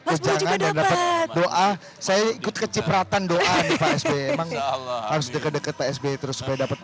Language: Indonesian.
perbincangan doa saya ikut kecipratan doa psb emang harus deket deket psb terus beda